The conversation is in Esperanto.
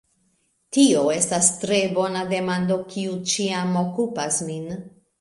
Tio estas tre bona demando, kiu ĉiam okupas min.